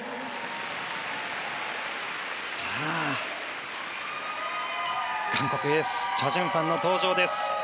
さあ、韓国エースチャ・ジュンファンの登場です。